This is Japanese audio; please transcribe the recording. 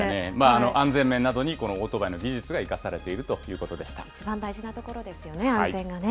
安全面などに、このオートバイの技術が生かされているという一番大事なところですよね、安全がね。